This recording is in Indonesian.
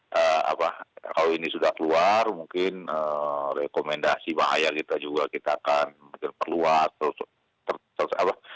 kalau ini sudah keluar mungkin rekomendasi bahaya kita juga kita akan perluas